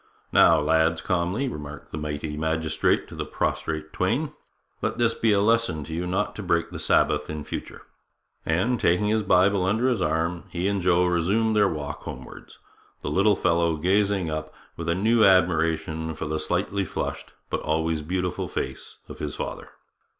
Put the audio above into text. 'Now, lads,' calmly remarked the mighty magistrate to the prostrate twain, 'let this be a lesson to you not to break the Sabbath in future'; and, taking his Bible under his arm, he and Joe resumed their walk homewards, the little fellow gazing up with a new admiration on the slightly flushed but always beautiful face of his father.